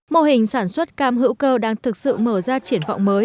mô hình sản xuất cam hữu cơ đang thực sự mở ra triển vọng mới